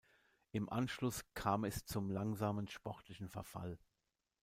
Im Anschluss kam es zum langsamen sportlichen Verfall.